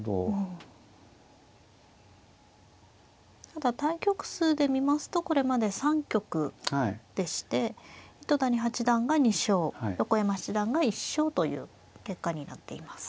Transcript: ただ対局数で見ますとこれまで３局でして糸谷八段が２勝横山七段が１勝という結果になっています。